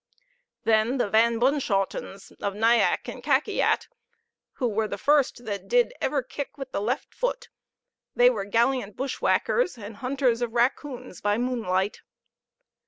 Then the Van Bunschotens, of Nyack and Kakiat, who were the first that did ever kick with the left foot; they were gallant bush whackers and hunters of raccoons by moonlight.